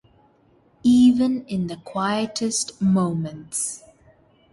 Even in the Quietest Moments...